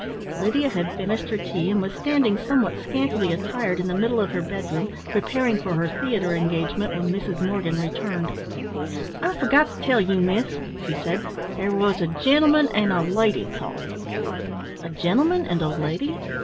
Lydia had finished her tea and was standing somewhat scantily attired in the middle of her bedroom, preparing for her theatre engagement, when Mrs. Morgan returned. "I forgot to tell you, miss," she said, "there was a gentleman and a lady called." "A gentleman and a lady?